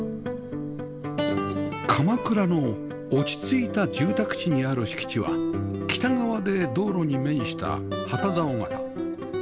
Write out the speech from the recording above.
鎌倉の落ち着いた住宅地にある敷地は北側で道路に面した旗竿形